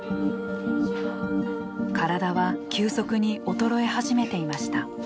体は急速に衰え始めていました。